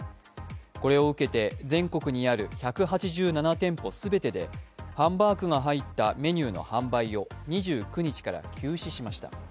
これを受けて、全国にある１８７店舗全てでハンバーグが入ったメニューの販売を２９日から休止しました。